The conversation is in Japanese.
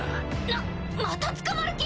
なっまた捕まる気？